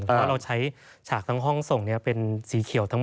แต่ว่าเราใช้ฉากทั้งห้องส่งเป็นสีเขียวทั้งหมด